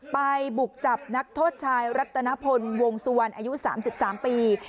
ไปบุกจับนักโทษชายรัตนพลวงสุวรรณอายุ๓๓ปี